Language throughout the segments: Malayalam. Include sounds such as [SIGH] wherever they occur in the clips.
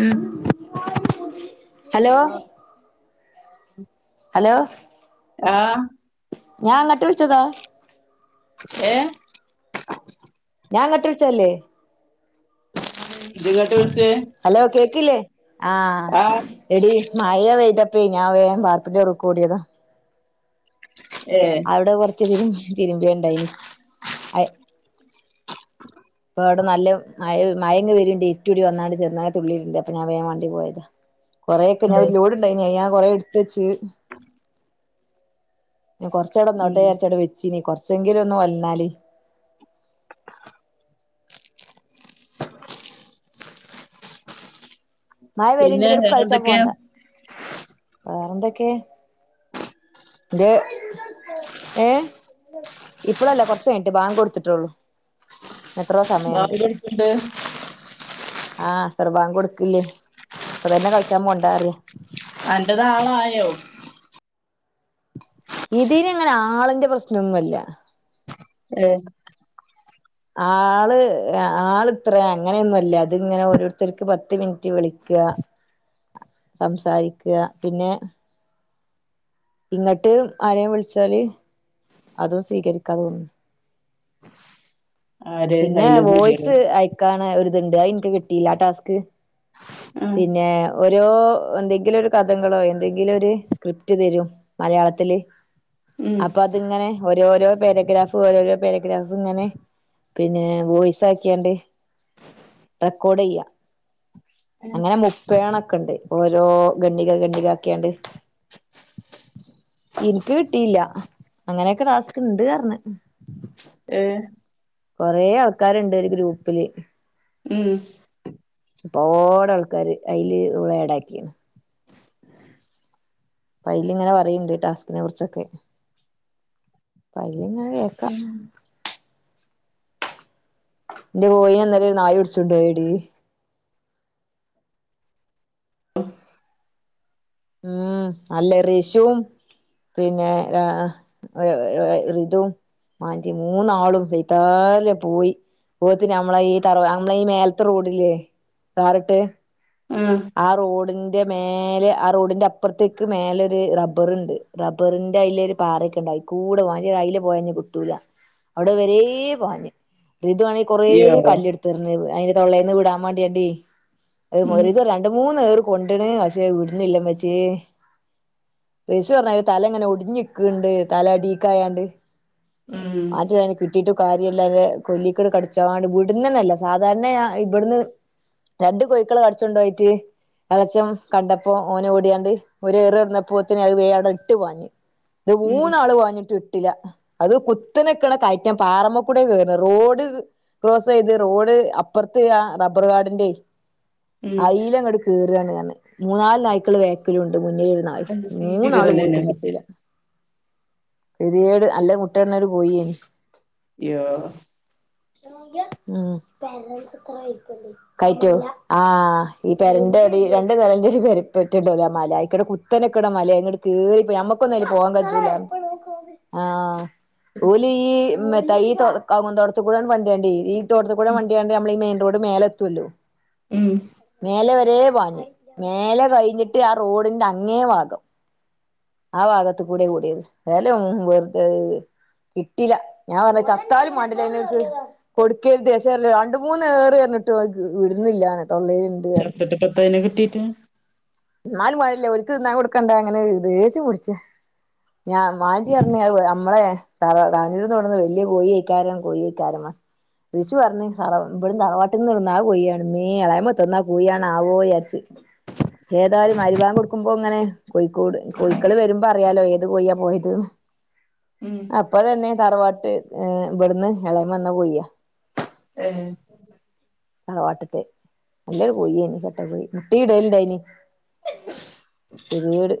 ഉം [INAUDIBLE] ഹലോ ഹലോ ആഹ് ഞാങ്ങട്ട് വിളിച്ചതാ ഏ ഞാങ്ങട്ട് വിളിച്ചല്ലേ [INAUDIBLE] വിളിച്ചേ ഹലോ കേക്കില്ലേ ആഹ് എടീ മയ വെയ്തപ്പേ ഞാൻ വേഗം വാർപ്പിന്റെറെറക്ക് [UNINTELLIGIBLE] ഓടിയതാ ഏ അവിടെ കൊറച്ചു തിരുമ്പി തിരുമ്പിയൊണ്ടയിന് ഇപ്പം വടെ നല്ല മഴ മഴങ്ങ് വര്ണ്ട് ഇര്ട്ടൂടി വന്നാണ്ട് ചെറുതായിട്ട് തുള്ളി വിക്ക്ണ്ട് അപ്പ ഞാൻ വോം മണ്ടി പോയത കൊറെയൊക്കെ ഞാൻ ഒരു ലോട്ണ്ടായിന് ഞാൻ കൊറെ എടുത്തുച്ച് ന്നെ ഉം കൊറച്ചടെന്നോട്ടേന്ന് യാരിച്ചവിടെ വെച്ചീന് കൊറച്ചെങ്കിലും ഒന്നു വന്നാല് മായ പേരുണ്ട് പിന്നെ ജ്ജ്ചെടക്ക് കളിച്ചാ വേറെന്തൊക്കെയാ പോണ്ട വേറെന്തൊക്കെയാ ഏ ഇപ്പളല്ല കൊറച്ചയിഞ്ഞിട്ട് പാങ്ക കൊടുത്തിട്ടെള്ളൂ എത്രോ സമയണ്ട് ബാങ്ക് കൊടുക്ക്ണ്ട് ആഹ് അസർ ബാംഗ്‌ കൊടുക്കില്ലേ ഇപ്പതന്നെ കളിച്ചാ പോണ്ടറിയ അന്റെ നാളായോ ഇതീന് അങ്ങനെ ആളിന്റെ പ്രശ്നൊന്നുല്ല ഏഹ് ആള് ആൾ ഇത്ര അങ്ങനെയൊന്നുംല്ല അതിങ്ങനെ ഓരോരുത്തർക്ക് പത്ത് മിനിറ്റ് വിളിക്കാ സംസാരിക്ക പിന്നെ ഇങ്ങട്ട് ആരെലും വിളിച്ചാല് അതും സ്വീകരിക്കാന്നുതോന്നുന്നു ആര് പിന്നെ അയില് കൂടിയോ വോയിസ് അയ ക്കാണ ഒര്ത്ണ്ട് അയിൻക്ക് കിട്ടില്ല ആഹ് ടാസ്ക് ആഹ് പിന്നെ ഓരോ എന്തെങ്കിലും ഒരു കഥ ങ്കളെ എന്തെങ്കിലും ഒര് സ്ക്രിപ്റ്റ് തരും മലയാളത്തില് ഉം അപ്പൊ അതിങ്ങനെ ഓരോരോ പാരഗ്രാഫ് ഓരോരോ പാരഗ്രാഫ് ഇങ്ങനെ പിന്നെ വോയിസാക്കിയാണ്ട് റെക്കോർഡ് ചെയ്യാ അങ്ങനെ മുപ്പേണൊക്കെണ്ട് ഓരോ ഗണ്ണിക ഗണ്ണിക ആക്കിയാണ്ട് ഇൻക്ക് കിട്ടിയില്ല അങ്ങനെയൊക്കെ ടാസ്ക് ഇണ്ടാർഞ്ഞ് ഏഹ് കൊറെേ ആൾക്കാര്ണ്ട് ഈ ഗ്രൂപ്പില് ഉം പ്പോടെ ആൾക്കാര് അയ്ല് ഏടാക്കിണ് പ്പങ്ങനെ അയ്ല് പറിണ്ട്ട്ടേ ടാസ്കിനെ കുറിച്ചൊക്കെ പ്പയ്ല്ങ്ങനെ കേക്ക ഉം ന്റെ കോയീനെന്നലൊരു നായി പിടിച്ചോണ്ടയടീ ഉം അല്ല റീശും പിന്നെ ഏഹ് അ ഒ റിതും മാഞ്ചി മൂന്നാളും വൈതാലേ പോയി. പോഓത്തി നമ്മളെ ഈ തറ നമ്മളെ ഈ മേലത്തെ റോഡിലേ വറിട്ട് ആഹ് ആ റോഡിന്റെ മേലെ അ റോഡിന്റെ അപ്പുറത്തേക്ക് മേലൊ ഒരു റബ്ബർണ്ട് റബറിന്റെ അയിലെ ഒരു പാറൊക്കെ ഉണ്ടായിട്ട് കൂടെ പോ റയില് പോയഞ്ഞു കുട്ടൂര അവിടെ വരേ പോവാ ഋതുവാണെ കൊറേ ഇയ്യോ കല്ല് എടുത്തി എറിഞ്ഞ് അതിന്റെ തൊള്ളന്ന് വിടാൻ വേണ്ടിയണ്ട ഉം ഇത് രണ്ടു മൂന്ന് കൊണ്ടണ് പക്ഷെ വിടുന്നില്ല അമ്മച്ചേ ശു പറഞ്ഞ തല ഇങ്ങനെ ഒടിഞ്ഞിക്കണ്ട് തല ഡീക്ക ആയാണ്ട് ഉം [UNINTELLIGIBLE] കിട്ടീട്ട് കാര്യ എല്ലാെ കൊല്ലിക്കൂടെ കടിച്ചാണ്ട് വീടന്ന് തന്നെല്ല സാധാരണ ഇവിടുന്ന് രണ്ട് കോഴക്കള് കടിച്ചോണ്ട് പോയിട്ട് എളച്ചം കണ്ടപ അപ്പൊ ഓന ഓടിയാണ്ട് ഒരു എറിറുന്നപ്പോത്തിനെ അത് വേട ഇട്ടുപാഞ്ഞു ഇത് ഉം മൂന്നാൾ വാങ്ങിട്ട് ഇല്ല അത് കുത്തനക്ക്ണ കയറ്റം. പാറമ്മകൂടെ കേറ്ണ റോഡ് ക്രോസ് ചെയ്ത് റോഡ് അപ്പുറത്ത് ആ റബ്ബർ കാടിന്റെ ഉം അയയിലം അങ്ങട്ട കയറുകാണ് മൂന്നാല് നായ്ക്കള് വേക്കലുംണ്ട് മുന്നേരുന്ന ആ അയില് സീറ്റ് മൂന്നാള് കീറലെന്നെ പോയിട്ടും മറ്റേ കിട്ടീല്ല പെരിയേട് അല്ല മുട്ടേന്നര് പോയി ഏസ് [UNINTELLIGIBLE] കയറ്റോ ആ ഈ പെരന്റെ അടി രണ്ട് തലന്റെടി പെരപ്പറ്റ്ണ്ടലോ മല അയിക്കടെ കു ഇത്തനക്കടലയാ എങ്ങട്ട കയറിപ്പോയി നമ്മുക്കൊന്നും പോവാൻ കഴിച്ചില്ല ആഹ ഓല് ഈ മത്ത ഈതോ കൗന്തോട്ടത്തികൂടെ വണ്ടീണ്ട് ഈ തോട്ടത്തി കൂടെ വണ്ടീണ്ട് നമ്മള് മെയിൻ റോഡ് മേലെതൂലോ മ് മേലെ വരേ വാഞ്ഞു മേലെ കഴിഞ്ഞിട്ട് ആ റോഡിന്റെ അങ്ങേ ഭാഗം ആ ഭാഗത്തു കൂടെ കൂടിയത് [UNINTELLIGIBLE] വറ്തെ കിട്ടില്ല ഞാൻ പറഞ്ഞ ചത്താലും പാണ്ടില്ല അക്ക് കൊടുക്കരുത്ക്ഷേ രണ്ട മൂന്നുറി പറഞ്ഞിട്ട് വിടുന്നില്ലനെ തൊള്ളൽ ചത്തട്ട് പത്തതിനെ കിട്ടീയിട്ട് എന്നാലും മാഴല്ലേ ഒരിക്കന്ന കൊടുക്കണ്ട അങ്ങനെ ദേഷ്യം പിടിച് ഞാൻ മാചിറഞ്ഞ [UNINTELLIGIBLE] നമ്മളെ ത താനൂരിന്ന് തുടന്ന് വല്യ കോഴി കഴക്കാരം കോഴി കഴക്കാരമാ തിരിച്ചു പറഞ്ഞഞ് തറ ഇവിടും തറവാട്ടിൽ നിന്ന് ഒന്ന കൊണ മീ എളായ മത്ത ഒന്നാ കൊണ് ആവോ വിചരിച്ച് ഏതായാലും മൈരി ബാങ്ക് കൊടുക്കുമ്പോ ഇങ്ങനെ കോഴിക്കോട് കോഴിക്കൾ വരുമ്പോ അറിയാലോ ഏത് കോഴ്യാ പോയത് ന്ന്. ഉം അപ്പ തന്നെ തറവാട്ട് ഏഹ് ഇവിടുന്ന് ഇളയ വന്നാ പോയ ഏഹ തറവാട്ടത്തെ നല്ലൊരു കോയി പോയിനി [UNINTELLIGIBLE] ചട്ട പോയി മുട്ട ഇടലുണ്ടായിനി വീട്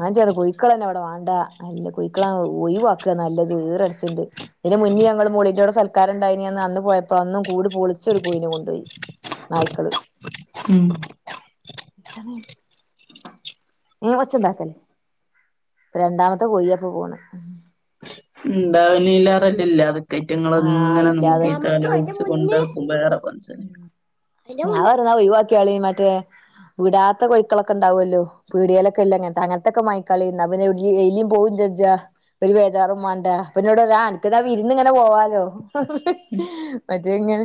ഞാൻ ചേട്ട കോഴക്കള തന്നെ അവിടെ വേണ്ട നല്ല കോഴക്കളാ ഒഴിവാക്കുക നല്ലത് വേറെ അടച്ചണ്ട് ഇതിന് മുന്നേ ഞങ്ങള് മളിോടെ സൽക്കാാരണ്ടായിനനി അന്ന് അന്ന് പോയപ്പോ അന്നും കൂടു പൊളിച്ചൊരു കുവിന കൊണ്ട് പോയി ഉം [UNINTELLIGIBLE] കൊച്ചന്താ രണ്ടാമത്തെ കൊയിപ്പ പോണ് ഉണ്ടാവന ഇല്ലാറല്ലില്ല അത് കയറ്റങ്ങളൾ ആഹ് അങ്ങനെ നോക്കി ഇല്ലാതെക്ക തലോലിച്ച് കൊണ്ടി നടക്കുമ്പോ വേറെ മനസ്സില [UNINTELLIGIBLE] പറി ഒഴിവാക്കിയാളി മറ്റേ വിടാത്ത കോഴക്കളൊക്കെ ഉണ്ടാവല്ലോ പീടിയലൊക്കെ ഇല്ലാംങ്ങനത്തെ അങ്ങനത്തൊക്കെ മക്കളിന്ന് അവെ എ എലും പോവും ജജ്ജ ഒരു ബേജാറും വേണ്ട പിന്നെ ഇവിടെവാനക്ക്താ ഇരുന്ന്ങ്ങനെ പോവാലോ മറ്റ ഇങ്ങെ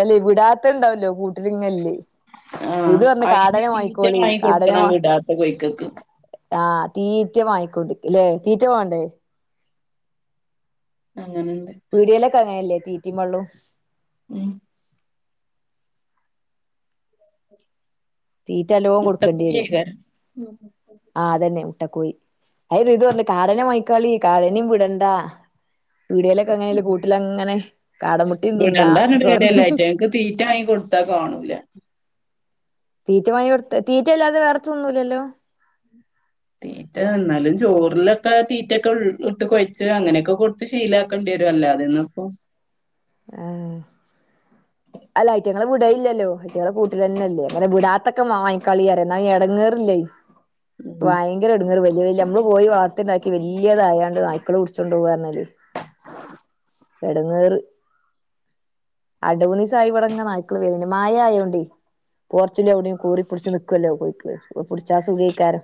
അല്ല വിടാത്ത ഇണ്ടാവല്ലോ കൂട്ടിലിങ്ങല്ലേ? ആഹ ഇത് പറഞ്ഞ് അയിന് കാടനെ തീറ്റ വാങ്ങിക്കോളി മാങ്ങി കാടനെ കൊടുക്കണം വാ വിടാത്ത കോഴിക്കക്ക്. ആഹ്, തീറ്റ വാങ്ങിക്കൊണ്ട് ലെ തീറ്റ മാണ്ടേ അങ്ങനെണ്ട്. പീടിയേലൊക്കെ അങ്ങനല്ലേ തീ തീറ്റി വള്ളും ഹ്മ്മ് തീറ്റ നല്ലോ കൊടുക്കണ്ടിയരും മുട്ടക്കോഴിയേക്കാരം ആഹ് അതന്നെ മുട്ടക്കോഴി. അത് റിതു പറഞ്ഞ് കാടനെ മാങ്ങിക്കാളി കാടെനിം വിടണ്ടാ പീടിയെലൊക്കെ എങ്ങനായാലും കൂട്ടിലങ്ങനെ കാടമുട്ടിം തിന്നാ കൊ തീറ്റാങ്ങി കൊടുത്താ കാണൂല. തീറ്റ മാങ്ങിയൊടുത്ത്, തീറ്റയല്ലാതെ വേറൊത്തും തിന്നൂല്ലല്ലോ തീറ്റ എന്നാലും ചോറിലൊക്കെ തീറ്റയൊക്കെ ഉൾ ഇട്ട് കൊഴച്ച് അങ്ങനൊക്കെ കൊട് ശീലക്കണ്ടിയരും അല്ലാതെന്ന്പ്പം ആഹ് അല്ല ഐറ്റങ്ങളെ വിടയില്ലല്ലോ ഐറ്റങ്ങള് കൂട്ട്ലന്നല്ലേ. അങ്ങനെ വിടാത്തൊക്കെ മാങ്ങിക്കാളിയറിയാ ഇന്നാ എടങ്ങേറില്ലേ [INAUDIBLE] ഇപ്പ ഉം ഭയങ്കര എടങ്ങേറ്, വലിയ വലിയ നമ്മള് കോഴി വളർത്തിണ്ടാക്കി വല്യതായാണ്ട് നായ്ക്കള് പുട്ച്ചൊണ്ടോവാ പറഞ്ഞാലെ എടങ്ങേറ്. രണ്ട്മൂന്നിസ്സായി ഇവടങ്ങനെ നായ്ക്കള് വര്ണ്. മഴയൊണ്ടേ പോർച്ച്ന്റെവിടയോ കേറിപിടിച്ച് നിക്കല്ലോക്ക് പുട്ച്ചാ സുഖയ്ക്കാരം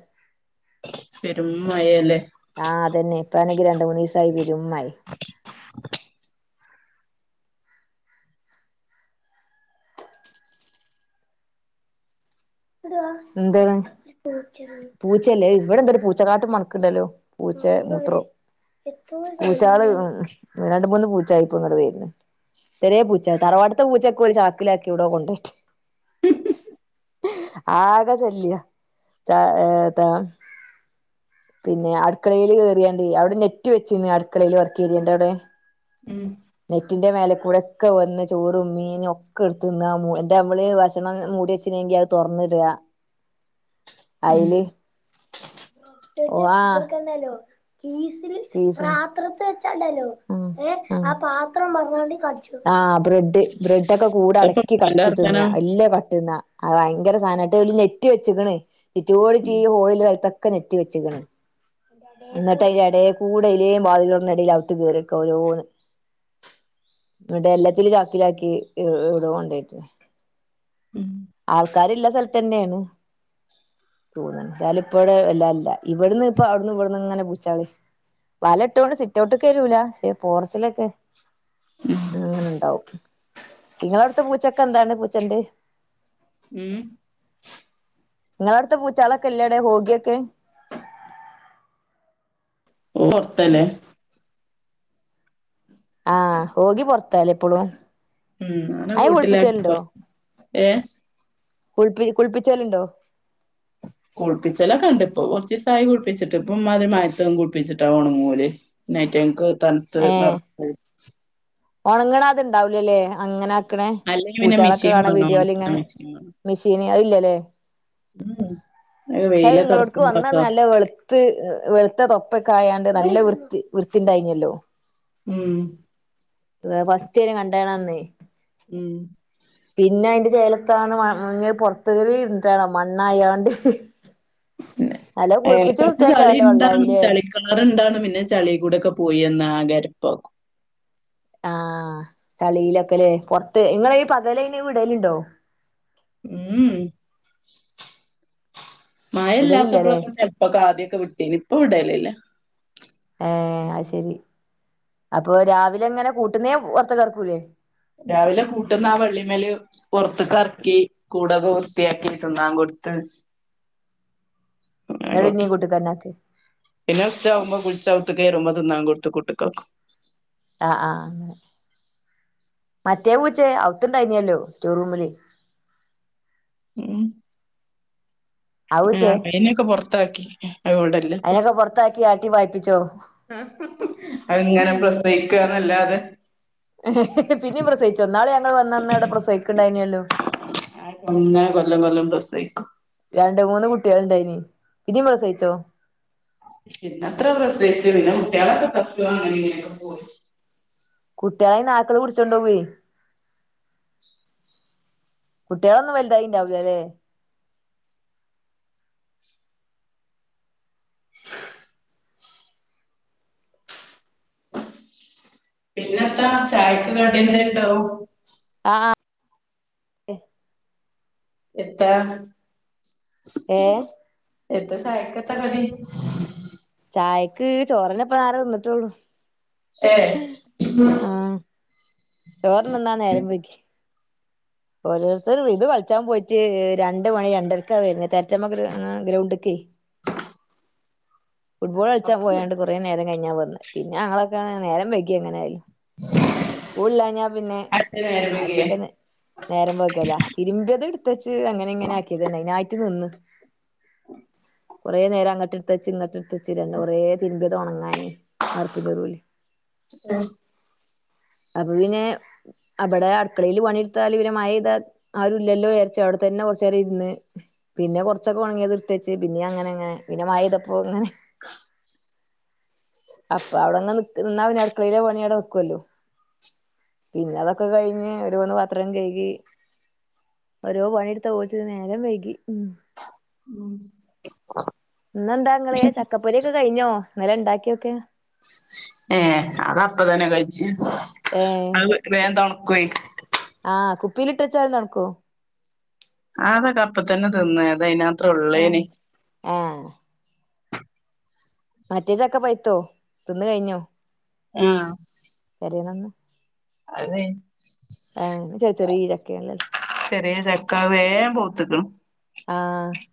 പെരും മഴെല്ലേ ആഹ് അതന്നെ ഇപ്പാണെങ്കിൽ രണ്ട്മൂന്നീസായി പെരും മഴിം എന്താണ്? പൂച്ചല്ലേ [UNINTELLIGIBLE] ഇബടെന്താരു പൂച്ച കാട്ടം മണക്ക്ണ്ടല്ലോ, പൂച്ചെ മൂത്രോ പൂച്ചാള്, രണ്ട്മൂന്ന് പൂച്ചായിപ്പം ഇങ്ങട്ട് വര്ന്ന്. ചെറിയെ പൂച്ചേ തറവാട്ട്ത്തെ പൂച്ചൊക്കെ ഒരു ചാക്കിലാക്കി ഒവ്ടോ കൊണ്ടെട്ട് [INAUDIBLE] ആകെ ശല്യാ ച്ച ഏഹ് എത്താ പിന്നെ അട്ക്കളേല് കേറിയാണ്ടേ അവ്ടെ നെറ്റ് വെച്ചിന് അടുക്കളയില് വർക്കേരിയൻ്റെ അവുടെ ഹ്മ്മ് നെറ്റിന്റെ മേലകൂടെ ഒക്ക വന്ന് ചോറും മീനും ഒക്കെ എടുത്തിന്ന മോ എന്റമ്മള് ഭക്ഷണം മൂടിയെച്ചീനങ്കി അ തൊറന്നിട, ഉം അയില് ഓഹ് ആഹ് കീസിൽ പാത്രത്തിൽ വെച്ചാണ്ടല്ലോ ആഹ്, ആഹ് ആഹ് ബ്രെഡ് ബ്രെഡോക്കെ എത്താപ്പ കൂടടക്കി ഇപ്പാന്റെ കടിച്ചു തിന്ന, വർത്താനം എല്ലം കട്ട്ന്നാ ആഹ് ഭയങ്കര സാധനാ, എന്നിട്ട് ഓല് നെറ്റ് വെച്ച്ക്ക്ണ് ചുറ്റോടിറ്റ് ഉം ഈ ഹോളില്ല സ്ഥലത്തൊക്കെ നെറ്റ് വെച്ച്ക്ക്ണ്. എന്നിട്ട് അയിൻ്റെ എടെകൂടെ എയിലേം വാതില് തൊറന്ന് ഇടേല് അവുത്ത് കയറിക്ക ഓരോന്ന്. ഇവിടെ എല്ലത്തിലും ചാക്കിലാക്കി ഇ ഈടോ കൊണ്ടെട്ടിണ് ഉം ആ കാര്യല്ല സ്ഥലത്തന്നെണു. [UNINTELLIGIBLE] എതായാലും ഇപ്പവടെ വല്ലാല്ലാ, ഇവട്ന്ന്പ്പം അവ്ട്ന്നും ഇവ്ട്ന്നും ഇങ്ങനെ പൂച്ചേള് വലട്ടോണ്ട് സിറ്റവ്ട്ട്ക്ക് വരൂലാ പക്ഷെ പോർച്ചിലൊക്കെ ഹ്മ്മ് അങ്ങനെണ്ടാവും. ഇങ്ങളവ്ട്ത്ത പൂച്ചൊക്കെ എന്തരാന്ന് പൂച്ചണ്ട് ഹ്മ്മ് നിങ്ങളവിടുത്തെ പൂച്ചാളൊക്കെ ഇല്ലേ അവിടെ ഹോഗിയൊക്കെ ഓഹ്, പൊർത്തല്ലേ ആഹ്, ഹോഗി പൊറത്താലെ ഇപ്പളും ഹ്മ്മ് അവനെ വീട്ടിലാക്കി പൊർ, ഏഹ് കുളിപ്പി കുളിപ്പ്ച്ചലുണ്ടോ കുളിപ്പിച്ചലൊക്കെണ്ടിപ്പൊ കൊറച്ചീസായി കുളിപ്പിച്ചിട്ട് ഇപ്പം ഇമ്മാതിരി മഴത്തൊന്നും കുളിപ്പിച്ചിട്ടാ ഒണങ്ങുല്ലേ പിന്നെ അയിറ്റങ്ങക്ക് തൻത്ത് വെർക്കും ഒണങ്ങണത് ണ്ടാവൂലല്ലേ അങ്ങനെ ക്ക്ണേ അല്ലെങ്കി പിന്നെ പൂച്ചകളൊക്കെ മിഷീൻ കാണ വേണം ഒണക്കാൻ വീഡിയോലിങ്ങനെ മിഷീൻ വേണം മെഷീന് അഹ്ല്ലലേ ഉം അത് അഹ് ഇങ്ങളോടയ്ക്ക് വെയിലൊക്കർച്ചുമ്പളൊക്കെ വന്നന്ന് നല്ല വെളു ത്ത് വെളുത്ത തൊപ്പക്കെ ആയാണ്ട് നല്ല വൃത്തി വൃത്തിണ്ടായിനല്ലോ ഉം ഏഹ് ഫസ്റ്റയ്നെ കണ്ടണന്നേ ഉം പിന്നെ അയ്ന്റെ ചേലത്താണ് മ ഇഞ്ഞി അത് പൊറത്ത് കേറി ഇരുന്നിട്ടാണോ മണ്ണായാണ്ട് പിന്നെ നല്ല ഏഹ് കുളിപ്പിച്ച് കൊറച്ച് വൃത്തിയാക്കിയ ചളി നല്ല ഇണ്ടാ [UNINTELLIGIBLE] വെള്ളാവൂലേ ചളി കാറണ്ടാണ് പിന്നെ ചളി കൂടെക്കെ പോയിന്ന് ആകെ എരപ്പക്കും ആഹ് ചളിയിലൊക്കെലേ പൊറത്ത് ഇങ്ങളയ് പകലയ്നേ വിടലുണ്ടോ? ഉം വിടലില്ലല്ലേ മഴല്ലാത്തപ്പളൊക്കെ ചെൽ ഉപ്പോക്കെ ആദ്യോക്കെ വിട്ടിനിം ഇപ്പ വിടലില്ല ഏഹ് അയ് ശെരി അപ്പോ രാവിലെ ഇങ്ങനെ കൂട്ട്ന്നേ പൊറത്ത്ക്കെർക്കൂലേ? രാവിലെ കൂട്ട്ന്ന് ആഹ് വള്ളിമ്മല് പൊറത്ത്ക്കെറക്കി കൂടൊക്കെ വൃത്തിയാക്കി തിന്നാൻ കൊടുത്ത് അങ്ങനെ ന്നിട്ട് ഇനിം കാട്ടും കൂട്ട്ക്കെന്നെ ആക്കെ പിന്നെ ഉച്ചാവുമ്പൊ കുളിച്ച് ഔത്ത്ക്കേറുമ്പം തിന്നാൻ കൊടുത്ത് കൂട്ട്ക്കാക്കും ആഹ് ആഹ് അങ്ങനെ മറ്റേ പൂച്ചേ ഔത്തണ്ടായിനല്ലോ സ്റ്റോറൂമില് ഏഹ് ആ ആഹ് പൂച്ചേ അയ്നൊക്കെ പുറത്താക്കി അത് ഇവിടെല്ല അയ്നൊക്കെ പുറത്താക്കി ആട്ടി പായി അഹ് ഇങ്ങനെ പ്രസവിക്കന്നല്ലാതെ പിന്നെയും പ്രസവിച്ചോ ഇന്നാള് ഞങ്ങൾ വന്നന്ന അവ്ടെ പ്രസവിക്കണ്ടായിനല്ലോ അത്ങ്ങനെ കൊല്ലം കൊല്ലം പ്രസവിക്കും രണ്ടു മൂന്ന് കുട്ടികള് ഇണ്ടായിനി. പിന്നിം പ്രസവിച്ചോ? പിന്നത്ര പ്രസവിച്ചുള്ളു പിന്നെ കുട്ടികളൊക്കെ ചത്തു അങ്ങനെ ഇങ്ങനെക്കെ പോയി കുട്ട്യോളെ ഈ നായ്ക്കള് പിടിച്ചോണ്ടവേയ് കുട്ടികളൊന്നും വലുതായിണ്ടാവില്ലല്ലെ പിന്നെത്ത ചായക്ക് കടി എന്തേലും ഉണ്ടാവും ആഹ് എത്താ ഏഹ് എന്ത ചായക്കെത്ത കടി ചായക്ക് ചോറെന്നെപ്പന്നാരെ തിന്ന്ട്ടൊള്ളൂ ഏഹ് ആഹ് ചോറ് ത്ന്നാൻ നേരം വൈകി ഓരോരുത്തർ ഇത് കളിച്ചാൻ പോയിട്ട് രണ്ട് മണി രണ്ടരക്കാ വരുന്ന തര്ച്ചമ്മ [UNINTELLIGIBLE] ഗ്രൗണ്ട്ക്കെയ് ഫുട്ബോള് കളിച്ചാ പോയാണ്ട് കൊറേ നേരം കഴിഞ്ഞാ വന്നത് പിന്നെ അങ്ങളൊക്ക [UNINTELLIGIBLE] നേരം വൈകി എങ്ങനായി സ്കൂളില്ലാഞ്ഞാ പിന്നെ അടുത്ത നേരം വൈകിയേ അധിക നേ നേരം വെളുക്കലാ. തിരുമ്പിയത് എടുത്തച്ച് അങ്ങനെ ഇങ്ങനെ ആക്കിയത് അയ്നായിട്ട് നിന്ന്, കൊറേ നേരം അങ്ങട്ട്ട്ത്തെച്ച് ഇങ്ങട്ടെടുത്തച്ച് [UNINTELLIGIBLE] കൊറേ തിര്മ്പിത് ഓണങ്ങനെയ് വാർപ്പിന്റെ [UNINTELLIGIBLE] [INAUDIBLE] അപ്പ പിന്നെ, അബടെ അടുക്കളയില് പണിയെടുത്താല് പിന്നെ മഴ പെഴ്താ ആരും ഇല്ലല്ലോ, ആര്ച്ച് അവിടെ തന്നെ കൊറച്ചേരം ഇരുന്ന്. പിന്നെ കൊറച്ചൊക്കെ ഉണങ്ങിയത് ഇട്ത്തച്ച്. പിന്നെ അങ്ങന അങ്ങന. പിന്നെ മഴ പെഴ്തപ്പൊ ഇങ്ങനെ. [INAUDIBLE] അപ്പ അവ്ടങ്ങനെ നിക്ക് നിന്നാ, പിന്നെ അടുക്കളയില പണി അവ്ടെ നിക്കുല്ലോ. പിന്നെ അതൊക്കെ കഴിഞ്ഞ് ഒരു കുന്നു പാത്രം കഴുകി. ഓരോ പണിതൊപോത്തിന് നേരം വൈകി മ്.. ഇന്നന്താ ഇങ്ങള് ചക്കപ്പൊരിയോക്കെ കഴിഞ്ഞോ? ന്നലെ ഇണ്ടാക്കിയൊക്കെ ഏ... അതപ്പോതന്നെ കഴിച് ഏ.. ഹ് വേന്തൊണകൊയ് ആഹ്.. കുപ്പിലിട്ടെച്ചാലും തൺക്കോ? അതൊകപ്പത്തന്നെ തിന്ന് അദൈന ആഹ.. ആഹ് മറ്റേതൊക്കെപൈത്തോ തിന്ന് കൈ ഞ്ഞോ? ആഹ്.. പെരിനന്ന് ആ.. ന്ന് ചെയ് ചെറീയ ചകെ ണ്ലെ ചെറേയ് ചക്ക വേഗം പൂത്ക്ണ് ആ.. ഹ്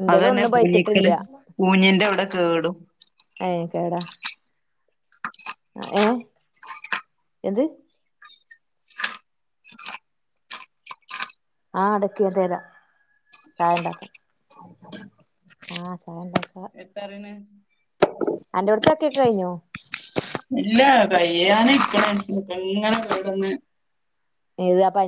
ഇന്റേത് അതെന്നെ ഒന്നും പൈത്തിട്ടില്ല പൂഞ്ഞിക്ണ് പൂഞ്ഞിന്റെഅവ്ടെ കേടും ഏ.. കേടാ.. അഏഹ്.. എന്ത് ആഹ്.. അതൊക്കെയാൻ തെരാൻ വേണ്ട കിം ആഹ്.. ചായണ്ടാക്ക എത്തറീണ് അന്റെ പടിതൊക്കെ കഴിഞ്ഞോ ഇല്ല.. കയ്യാനൈക്ണ് ഇകൊല്ലാം [UNINTELLIGIBLE] ന്ന് ഏത് അ പൻ